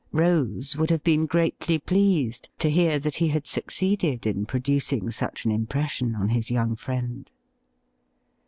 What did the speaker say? Rose would have been greatly pleased to hear that he had succeeded in producing such an impression on his young friend.